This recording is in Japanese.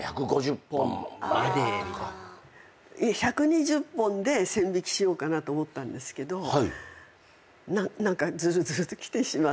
１２０本で線引きしようかなと思ったんですけど何かズルズルときてしまって。